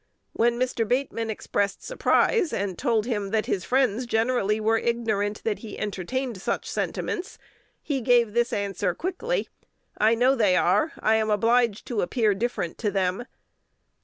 When Mr. Bateman expressed surprise, and told him that his friends generally were ignorant that he entertained such sentiments, he gave this answer quickly: "I know they are: I am obliged to appear different to them."